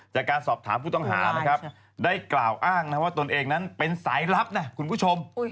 จากการสอบถามผู้ต้องหานะครับได้กล่าวอ้างนะว่าตนเองนั้นเป็นสายลับนะคุณผู้ชม